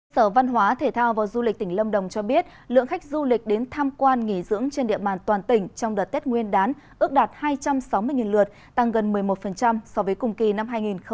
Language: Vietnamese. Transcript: sở văn hóa thể thao và du lịch tỉnh lâm đồng cho biết lượng khách du lịch đến tham quan nghỉ dưỡng trên địa bàn toàn tỉnh trong đợt tết nguyên đán ước đạt hai trăm sáu mươi lượt tăng gần một mươi một so với cùng kỳ năm hai nghìn một mươi chín